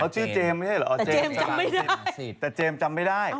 เข้าชื่อเจมไม่ได้เหรอเจมจำไม่ได้แต่เจมจำไม่ได้